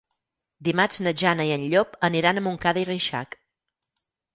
Dimarts na Jana i en Llop aniran a Montcada i Reixac.